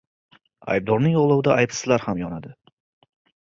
• Aybdorning olovida aybsizlar ham yonadi.